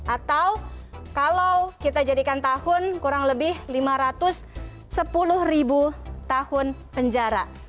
atau kalau kita jadikan tahun kurang lebih lima ratus sepuluh ribu tahun penjara